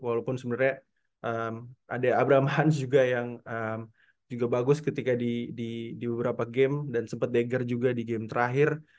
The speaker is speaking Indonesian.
walaupun sebenarnya ada abraham hans juga yang juga bagus ketika di beberapa game dan sempat dager juga di game terakhir